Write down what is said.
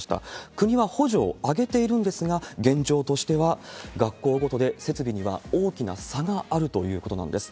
国は補助を上げているんですが、現状としては学校ごとで設備には大きな差があるということなんです。